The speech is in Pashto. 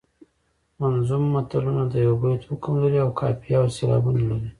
منظوم متلونه د یوه بیت حکم لري او قافیه او سیلابونه لري